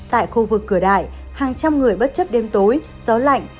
tại khu vực cửa đại hàng trăm người bất chấp đêm tối gió lạnh